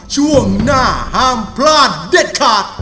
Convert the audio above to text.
ช่วงหน้าห้ามพลาดเด็ดขาด